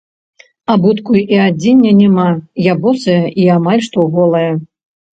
Абутку і адзення няма, я босая і амаль што голая.